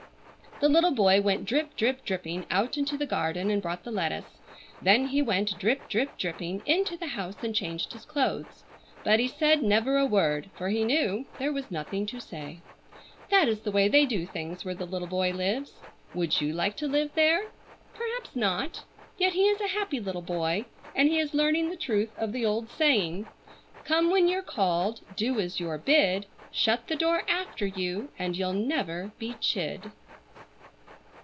The little boy went drip, drip, dripping out into the garden and brought the lettuce; then he went drip, drip, dripping into the house and changed his clothes; but he said never a word, for he knew there was nothing to say. That is the way they do things where the little boy lives. Would you like to live there? Perhaps not; yet he is a happy little boy, and he is learning the truth of the old saying,— "Come when you're called, do as you're bid. Shut the door after you, and you'll never be chid."